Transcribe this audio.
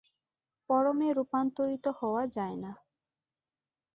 পরমে রূপান্তরিত হওয়া যায় না।